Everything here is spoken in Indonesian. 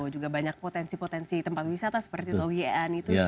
juga banyak potensi potensi tempat wisata seperti togien